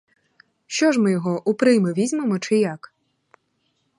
Що ж ми його — у прийми візьмемо чи як?